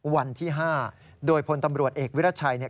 วันที่๕โดยผลตำรวจเอกวิรัตชัย